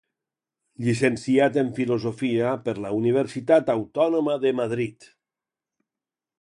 Llicenciat en Filosofia per la Universitat Autònoma de Madrid.